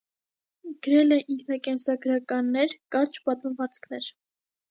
Գրել է ինքնակենսագրականներ, կարճ պատմվածքներ։